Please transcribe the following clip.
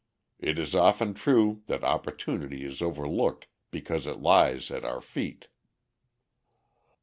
It is often true that opportunity is overlooked because it lies at our feet.